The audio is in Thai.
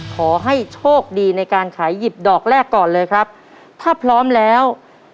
ขอให้โชคดีในการขายหยิบดอกแรกก่อนเลยครับถ้าพร้อมแล้ว